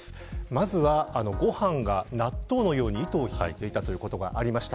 まずは、ご飯が納豆のように糸を引いていたということがありました。